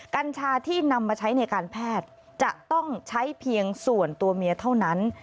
กัญชาที่นำมาใช้ในการแพทย์จะต้องใช้เพียงส่วนตัวเมียเท่านั้น